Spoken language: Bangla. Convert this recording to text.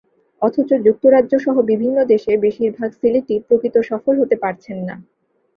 অথচ যুক্তরাজ্যসহ বিভিন্ন দেশে বেশির ভাগ সিলেটি প্রকৃত সফল হতে পারছেন না।